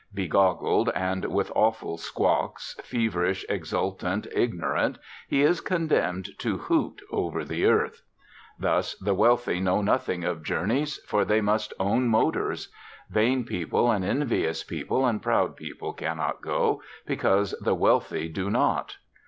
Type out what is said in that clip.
Begoggled and with awful squawks, feverish, exultant, ignorant, he is condemned to hoot over the earth. Thus the wealthy know nothing of journeys, for they must own motors. Vain people and envious people and proud people cannot go, because the wealthy do not.